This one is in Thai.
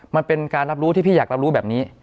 มันเป็นการรับรู้ที่พี่อยากรับรู้แบบนี้